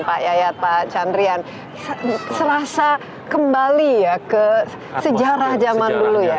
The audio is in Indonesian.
pak yayat pak chandrian serasa kembali ya ke sejarah zaman dulu ya